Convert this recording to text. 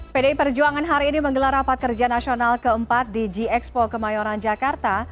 pdi perjuangan hari ini menggelar rapat kerja nasional keempat di gxpo kemayoran jakarta